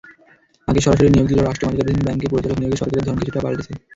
আগে সরাসরি নিয়োগ দিলেও রাষ্ট্রমালিকানাধীন ব্যাংকে পরিচালক নিয়োগে সরকারের ধরন কিছুটা পাল্টেছে।